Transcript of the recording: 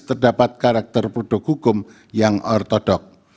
terdapat karakter produk hukum yang ortodok